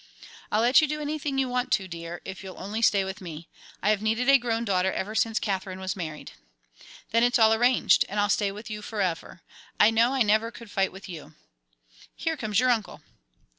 "I'll let you do anything you want to, dear, if you'll only stay with me. I have needed a grown daughter ever since Katherine was married." "Then it's all arranged, and I'll stay with you for ever. I know I never could fight with you." "Here comes your uncle."